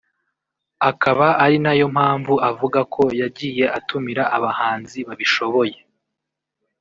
akaba ari nayo mpamvu avuga ko yagiye atumira abahanzi babishoboye